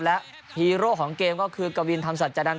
แล้วฮีโร่ของเกมคือกวินธรรมศัลจัดการ